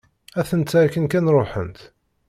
Atent-a akken kan ruḥent.